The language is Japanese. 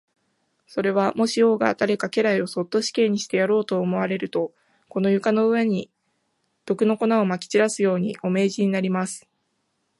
それは、もし王が誰か家来をそっと死刑にしてやろうと思われると、この床の上に、毒の粉をまき散らすように、お命じになります。